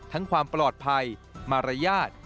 ทั้งความปลอดภัยมารยาท